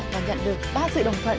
và nhận được ba sự đồng thuận